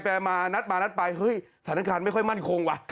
ไปมานัดมานัดไปเฮ้ยศาลังคาวนไม่ค่อยมั่นคงว่ะ